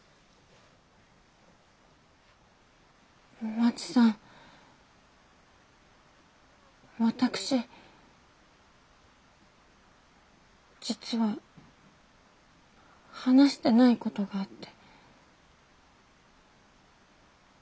まちさん私実は話してないことがあって。